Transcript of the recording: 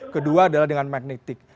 kedua adalah dengan magnetik